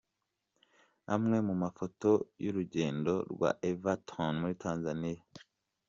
Amwe mu mafoto y’urugendo rwa Everton muri Tanzania:.